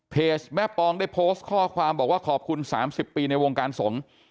แม่ปองได้โพสต์ข้อความบอกว่าขอบคุณ๓๐ปีในวงการสงฆ์